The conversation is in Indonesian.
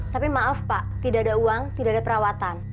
tapi maaf pak tidak ada uang tidak ada perawatan